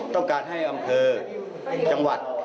ต้องการให้อำเภอจังหวัด